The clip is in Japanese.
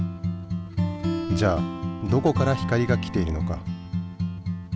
じゃあどこから光が来ているのか？